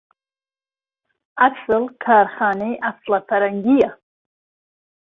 عەسڵ کارخانهی عهسڵه فهڕهنگییه